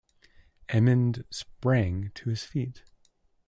Edmund sprang to his feet.